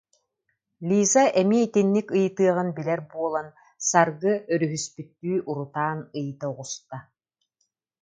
Лиза эмиэ итинник ыйытыаҕын билэр буолан, Саргы өрүһүспүттүү урутаан ыйыта оҕуста